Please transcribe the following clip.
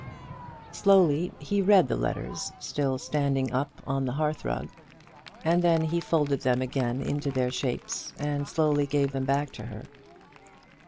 Slowly he read the letters, still standing up on the hearth rug, and then he folded them again into their shapes, and slowly gave them back to her.